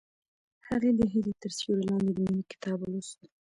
هغې د هیلې تر سیوري لاندې د مینې کتاب ولوست.